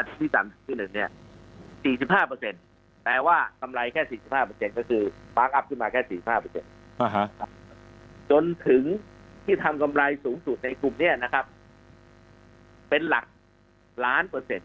ตอนที่๓ขึ้นเป็นมาร์จิ้นที่๑เนี่ย๔๕แต่ว่ากำไรแค่๔๕ตขึ้นมาแค่๔๕จนถึงที่ทางกำไรสูงสุดในกลุ่มเนี่ยนะครับเป็นหลักล้านเปอร์เซ็นต์